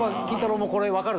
もこれ分かるの？